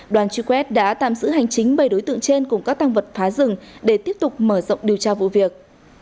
đoàn truy quét đã tạm giữ hành chính bảy đối tượng trên cùng các tăng vật phá rừng để tiếp tục mở rộng điều tra vụ việc